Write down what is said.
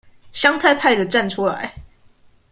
香菜派的站出來